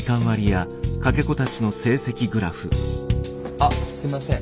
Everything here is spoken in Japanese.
あっすいません。